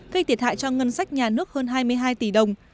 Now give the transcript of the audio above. gây thiệt hại cho ngân sách nhà nước hơn hai mươi hai tỷ đồng